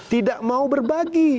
tidak mau berbagi